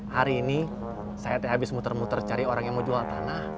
hari ini saya habis muter muter cari orang yang mau jual tanah